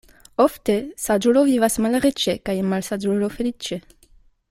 Ofte saĝulo vivas malriĉe kaj malsaĝulo feliĉe.